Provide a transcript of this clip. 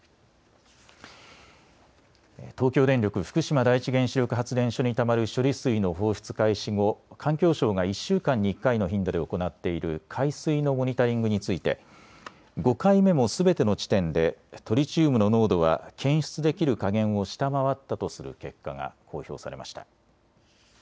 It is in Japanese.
東京電力福島第一原子力発電所にたまる処理水の放出開始後環境省が１週間に１回の頻度で行っている海水のモニタリングについて５回目もすべての地点でトリチウムの濃度は検出できる下限を下回ったとする結果が公表されました。